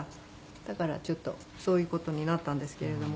だからちょっとそういう事になったんですけれども。